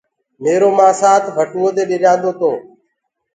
ميرو مآسآ ڀٽوئو دي ڏريآندو تو۔